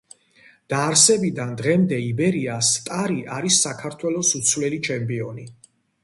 დაარსებიდან დღემდე იბერია სტარი არის საქართველოს უცვლელი ჩემპიონი.